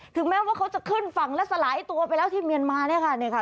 ถึงแม้ว่าเขาจะขึ้นฝั่งและสลายตัวไปแล้วที่เมียนมาเนี่ยค่ะ